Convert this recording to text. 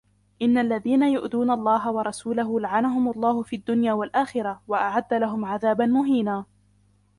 إن الذين يؤذون الله ورسوله لعنهم الله في الدنيا والآخرة وأعد لهم عذابا مهينا